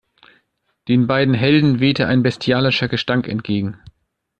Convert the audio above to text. Den beiden Helden wehte ein bestialischer Gestank entgegen.